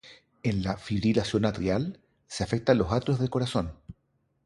En la "fibrilación atrial", se afectan los atrios del corazón.